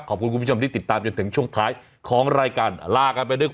ขอบคุณคุณผู้ชมที่ติดตามจนถึงช่วงท้ายของรายการลากันไปด้วย